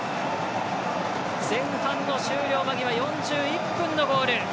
前半の終了間際４１分のゴール。